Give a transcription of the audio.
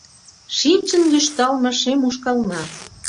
Шинчын лӱшталме шем ушкална -